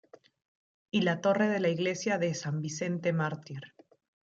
Y la torre de la Iglesia de San Vicente Mártir.